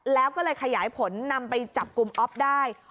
แล้วก็เลยขยายผลนำไปจับกลุ่มอ๊อฟได้